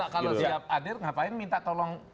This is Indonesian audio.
kalau siap hadir ngapain minta tolong